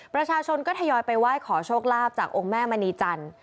ประชาชนก็ทยอยไปไหว้ขอโชคลาภจากองค์แม่มณีจันทร์